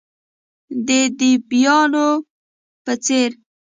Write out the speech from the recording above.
د دیبانو په څیر،